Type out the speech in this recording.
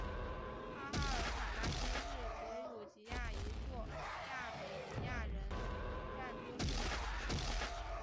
阿哈尔卡拉基是格鲁吉亚一座亚美尼亚人占多数的城市。